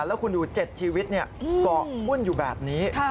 แล้วคุณอยู่เจ็ดชีวิตเกาะอ้วนอยู่แบบนี้